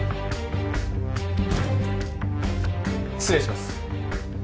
失礼します。